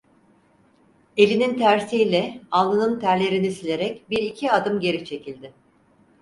Elinin tersiyle alnının terlerini silerek bir iki adım geri çekildi.